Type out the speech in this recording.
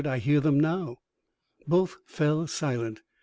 I hear them now." Both fell silent.